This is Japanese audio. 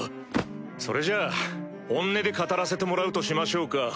それじゃあ本音で語らせてもらうとしましょうか。